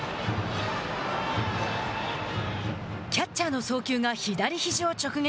キャッチャーの送球が左ひじを直撃。